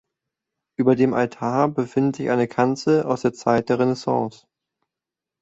Über dem Altar befindet sich eine Kanzel aus der Zeit der Renaissance.